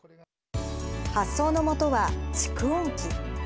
発想のもとは蓄音機。